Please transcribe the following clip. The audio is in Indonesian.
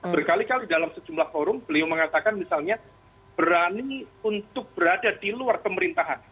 berkali kali dalam sejumlah forum beliau mengatakan misalnya berani untuk berada di luar pemerintahan